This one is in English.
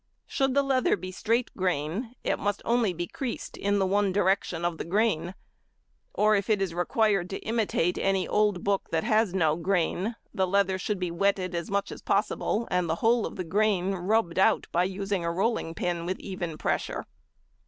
Should the leather be "straight grain," it must only be creased in the one direction of the grain, or if it is required to imitate any old book that has no grain, the leather should be wetted as much as possible, and the whole of the grain rubbed out by using a rolling pin with even pressure. [Illustration: Method of Holding Ordinary Knife.